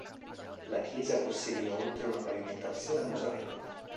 La chiesa possiede inoltre una pavimentazione a mosaico